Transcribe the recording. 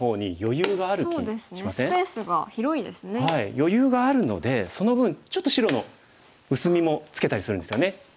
余裕があるのでその分ちょっと白の薄みもつけたりするんですよね。